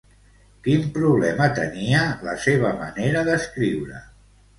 Quin problema tenia la seva manera d'escriure?